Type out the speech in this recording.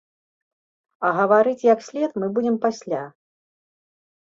А гаварыць як след мы будзем пасля.